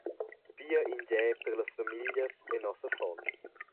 Pia in gie per las famiglias e nos affons.